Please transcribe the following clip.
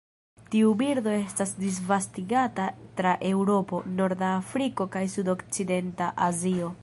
Tiu birdo estas disvastigata tra Eŭropo, norda Afriko kaj sudokcidenta Azio.